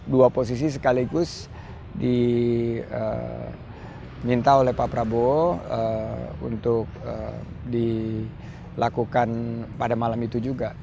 dua posisi sekaligus diminta oleh pak prabowo untuk dilakukan pada malam itu juga